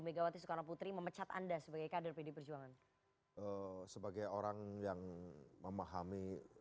megawati soekarno putri memecat anda sebagai kader pdi perjuangan sebagai orang yang memahami